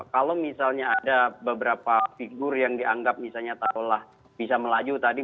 kalau misalnya ada beberapa figur yang dianggap misalnya taruhlah bisa melaju tadi